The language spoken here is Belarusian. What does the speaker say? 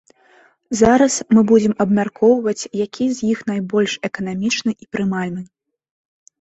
Зараз мы будзем абмяркоўваць, які з іх найбольш эканамічны і прымальны.